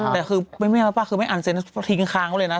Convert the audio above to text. แต่คือไม่รู้ป่ะคือไม่อันเซ็นต์เขาทิ้งค้างเขาเลยนะ